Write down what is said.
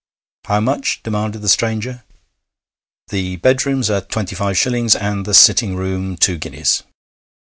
'How much?' demanded the stranger. 'The bedrooms are twenty five shillings, and the sitting room two guineas.'